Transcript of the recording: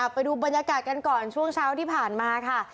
ไปดูบรรยากาศกันก่อนช่วงเช้าที่ผ่านมาค่ะ